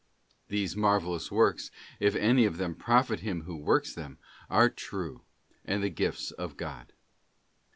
_These marvellous works, if any of them, profit him who works them, are true, and the gifts of God.